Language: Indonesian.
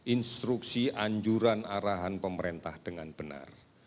instruksi anjuran arahan pemerintah dengan benar